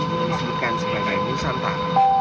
yang disebutkan sebagai nusantara